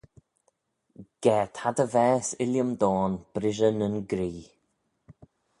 Ga ta dty vaase, Illiam Dhone, brishey nyn gree!